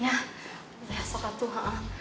ya besok tuh